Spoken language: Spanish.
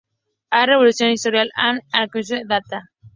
A Re-Evaluation of Historical and Archaeological Data.